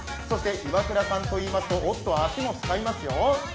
そして、岩倉さんといいます、足も使いますよ。